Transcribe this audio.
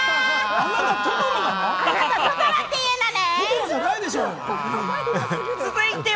あなたトトロっていうのね！？